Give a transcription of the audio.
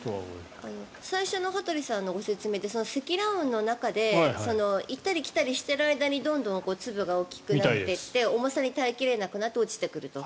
最初の羽鳥さんの説明で積乱雲の中で行ったり来たりしている間にどんどん粒が大きくなっていって重さに耐え切れなくなって落ちてくると。